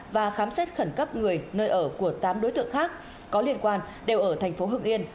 và khám xét khẩn cấp người nơi ở của tám đối tượng khác có liên quan đều ở thành phố hưng yên